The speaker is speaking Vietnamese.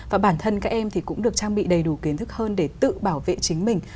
và bản thân các em thì cũng được trang bị đầy đủ kiến thức hơn để tự bảo vệ chính mình